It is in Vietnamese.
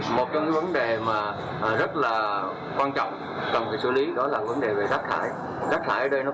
một trong những vấn đề rất là quan trọng